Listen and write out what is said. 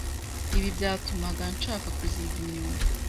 Ibi byatumaga nshaka kuziga imyuga